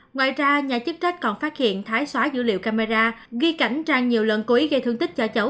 ngoài ra nhà chức trách còn phát hiện thái xóa dữ liệu camera ghi cảnh trang nhiều lần cố ý gây thương tích cho cháu